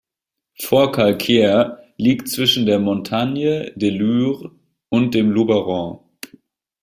Forcalquier liegt zwischen der Montagne de Lure und dem Luberon.